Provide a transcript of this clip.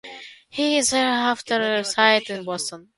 He thereafter resided in Boston.